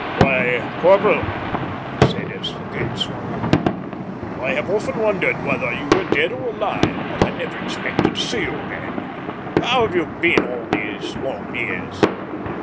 "Why, Corporal," he said, as the gate swung open, "I have often wondered whether you were dead or alive, but I never expected to see you again. How have you been all these long years?"